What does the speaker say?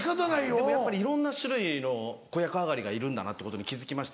でもいろんな種類の子役上がりがいるんだなってことに気付きまして。